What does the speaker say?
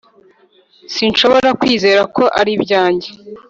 sinshobora kwizera ko ari ibyanjye.